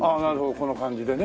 この感じでね。